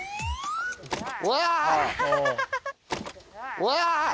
うわ！